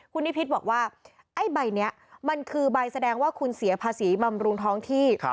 คุณนิพิษบอกว่าไอ้ใบนี้มันคือใบแสดงว่าคุณเสียภาษีบำรุงท้องที่